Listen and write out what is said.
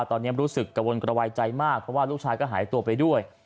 ตอนนี้รู้สึกกระวนกระวายใจมากเพราะว่าลูกชายก็หายตัวไปด้วย